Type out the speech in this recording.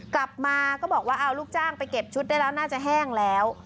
กลับมาก็บอกว่าเอาลูกจ้างไปเก็บชุดได้แล้วน่าจะแห้งแล้ว